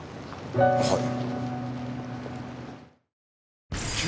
はい。